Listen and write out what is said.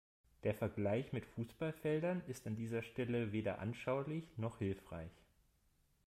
Der Vergleich mit Fußballfeldern ist an dieser Stelle weder anschaulich noch hilfreich.